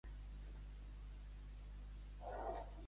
Quina festivitat es fa a Madurai?